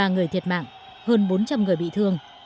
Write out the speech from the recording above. năm mươi ba người thiệt mạng hơn bốn trăm linh người bị thương